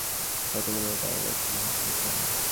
কতগুলা ডায়লগ শিখেছে।